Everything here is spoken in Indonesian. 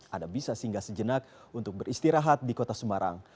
anda bisa singgah sejenak untuk beristirahat di kota semarang